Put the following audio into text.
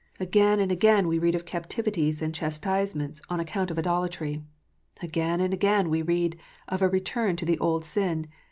Again and again we read of captivities and chastisements on IDOLATRY. 403 account of idolatry. Again and again we read of a return to the old sin.